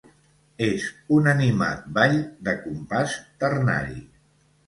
És un animat ball de compàs ternari.